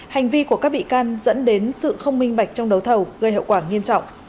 hành vi của các bị can dẫn đến sự không minh bạch trong đấu thầu gây hậu quả nghiêm trọng